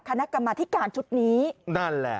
คณะกรรมธิการชุดนี้นั่นแหละ